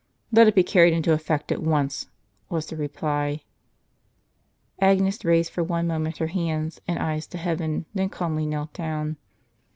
" Let it be carried into effect at once," was the reply. Agnes raised for one moment her hands and eyes to heaven, then calmly knelt down.